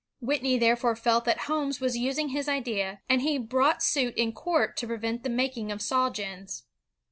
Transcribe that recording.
Whitney therefore felt that Homes was using his idea, and he brought suit in court to prevent the making of "saw gins."